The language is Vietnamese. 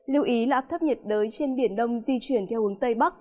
lưu ý là áp thấp nhiệt đới trên biển đông di chuyển theo hướng tây bắc